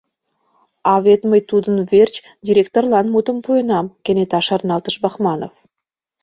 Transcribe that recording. «А вет мый тудын верч директорлан мутым пуэнам, — кенета шарналтыш Бахманов.